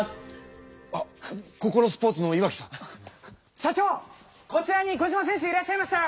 社長こちらにコジマ選手いらっしゃいましたよ！